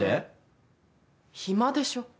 暇でしょ？